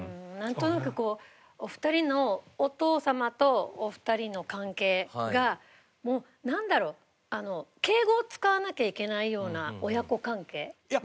なんとなくこうお二人のお父様とお二人の関係がなんだろう敬語を使わなきゃいけないような親子関係？